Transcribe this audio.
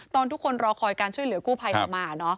ทุกคนรอคอยการช่วยเหลือกู้ภัยออกมา